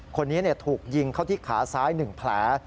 คนนี้ถูกยิงเข้าที่ขาซ้าย๑แผล